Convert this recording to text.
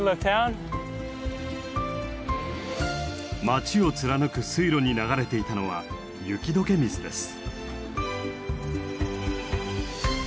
街を貫く水路に流れていたのは雪解け水です。